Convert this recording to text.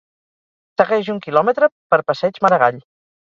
Segueix un kilòmetre per Passeig Maragall